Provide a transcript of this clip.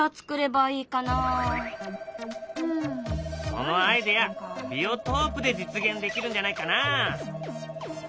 そのアイデアビオトープで実現できるんじゃないかな。